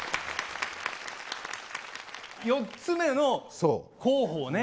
四つ目の候補をね